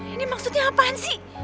ini maksudnya apaan sih